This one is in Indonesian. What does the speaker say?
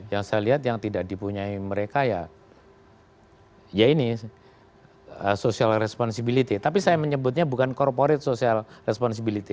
yang saya lihat yang tidak dipunyai mereka ya ini social responsibility tapi saya menyebutnya bukan corporate social responsibility